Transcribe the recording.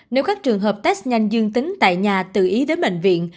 nếu các trường hợp test nhanh dương tính tại nhà tự ý đến bệnh viện